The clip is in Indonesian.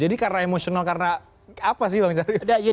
jadi karena emosional karena apa sih bang syariah